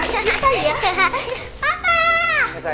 selamat kamu menyelamat